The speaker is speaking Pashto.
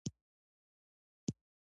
په دوی کې ډېر کسان پر دې خبره نه پوهېدل